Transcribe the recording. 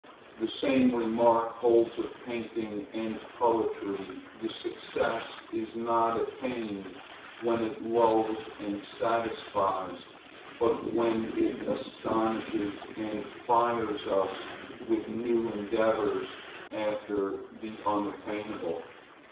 The same remark holds of painting. And of poetry the success is not attained when it lulls and satisfies, but when it astonishes and fires us with new endeavors after the unattainable.